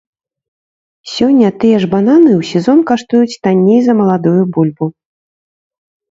Сёння тыя ж бананы ў сезон каштуюць танней за маладую бульбу.